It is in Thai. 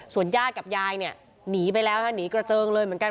ส่วนญาติกับยายเนี่ยหนีไปแล้วนะหนีกระเจิงเลยเหมือนกัน